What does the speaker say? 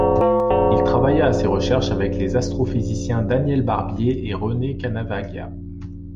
Il travailla à ces recherches avec les astrophysiciens Daniel Barbier et Renée Canavaggia.